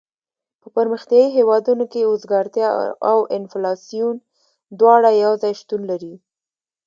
په پرمختیایي هېوادونو کې اوزګارتیا او انفلاسیون دواړه یو ځای شتون لري.